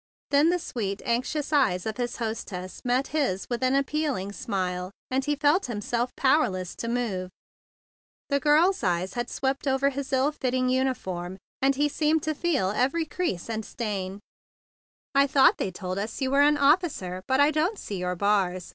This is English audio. Then the sweet, anxious eyes of his hostess met his with an appealing smile and he felt himself powerless to move. The girl's eyes had swept over his ill fitting uniform and he seemed to feel every crease and stain. "I thought they told us you were an officer, but I don't see your bars."